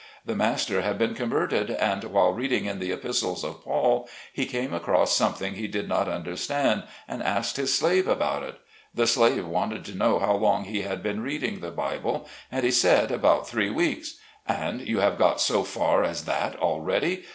The master had been converted, and while reading in the Epistles of Paul he came across something he did not under stand, and asked his slave about it The slave wanted to know how long he had been reading the Bible, and he said, about three weeks. ' And you have got so far as that already